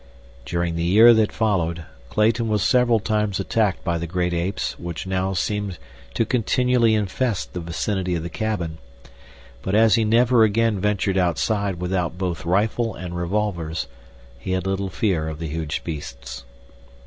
During the year that followed, Clayton was several times attacked by the great apes which now seemed to continually infest the vicinity of the cabin; but as he never again ventured outside without both rifle and revolvers he had little fear of the huge beasts.